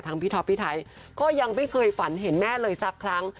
พี่ท็อปพี่ไทยก็ยังไม่เคยฝันเห็นแม่เลยสักครั้ง